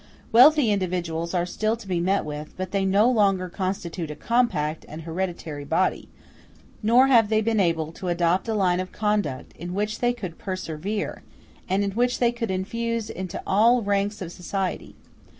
Wealthy individuals are still to be met with, but they no longer constitute a compact and hereditary body, nor have they been able to adopt a line of conduct in which they could persevere, and which they could infuse into all ranks of society.